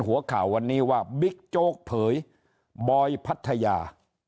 หัวข่าววันนี้ว่าบิ๊กโจ๊กเผยบอยพัทยา